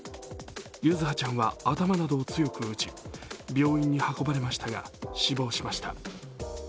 柚葉ちゃんは頭などを強く打ち病院に運ばれましたが死亡しました。